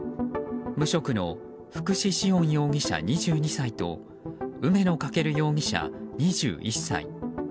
無職の福士至恩容疑者、２２歳と梅野風翔容疑者、２１歳。